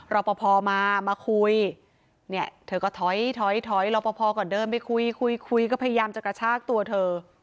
ล็อปภอมาคุยเธอก็ถอยล้อปภอก่อนเดิมไปคุยก็พยายามจะกระชากตัวเธอ